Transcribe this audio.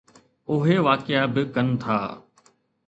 اهي واقعا به ڪن ٿا.